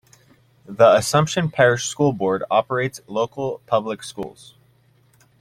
The Assumption Parish School Board operates local public schools.